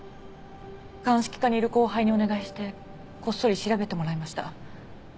鑑識課にいる後輩にお願いしてこっそり調べてもらいました。